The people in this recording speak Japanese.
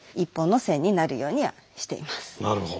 なるほど。